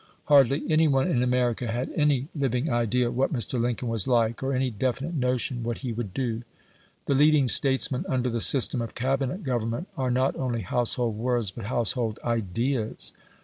Hardly any one in America had any living idea what Mr. Lincoln was like, or any definite notion what he would do. The leading statesmen under the system of Cabinet government are not only household words, but household IDEAS.